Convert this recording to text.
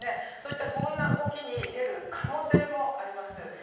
そういった不穏な動きに出る可能性もあります。